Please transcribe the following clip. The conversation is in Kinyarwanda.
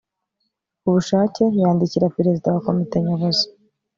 ku bushake yandikira perezida wa komite nyobozi